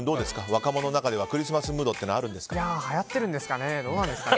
若者の中ではクリスマスムードというのははやってるんですかね。